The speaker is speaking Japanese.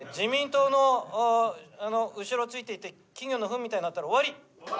都合よくね、自民党の後ろについていって、金魚のふんみたいになったら終わり。